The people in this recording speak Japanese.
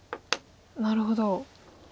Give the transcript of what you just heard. なるほど。